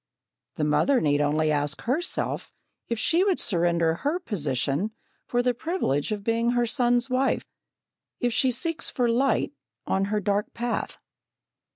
The mother need only ask herself if she would surrender her position for the privilege of being her son's wife, if she seeks for light on her dark path.